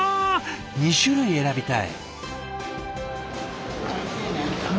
２種類選びたい。